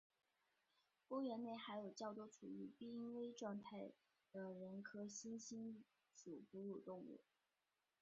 公园内还有较多处于濒危状态的人科猩猩属哺乳动物。